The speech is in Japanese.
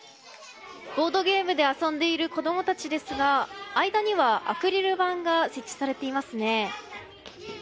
ボードゲームで遊んでいる子供たちですが間には、アクリル板が設置されていますね。